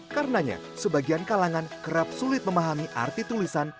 karenanya sebagian kalangan kerap sulit memahami arti tulisan